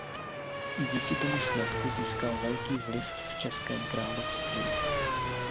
Díky tomu sňatku získal velký vliv v českém království.